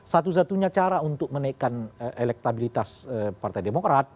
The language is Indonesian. satu satunya cara untuk menaikkan elektabilitas partai demokrat